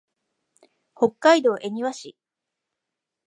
北海道恵庭市